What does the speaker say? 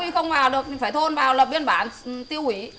không vào được thì phải thôn vào là biên bản tiêu hủy